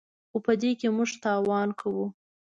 خو په دې کې موږ تاوان کوو.